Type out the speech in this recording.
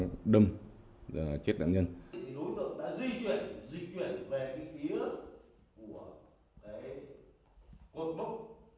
đối tượng đã di chuyển di chuyển về địa ước của cái quân mốc